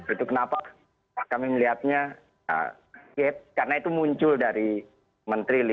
itu kenapa kami melihatnya karena itu muncul dari menteri